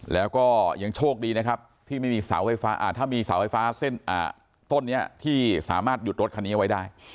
แล้วก็ยังโชคดีนะครับที่ไม่มีถ้ามีเสาไฟฟ้าเส้นต้นนี้ที่สามารถหยุดรถคันนี้เอาไว้ได้